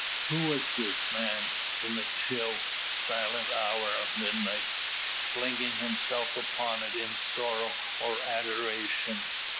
Who was this man, in the chill, silent hour of midnight, flinging himself upon it in sorrow or adoration?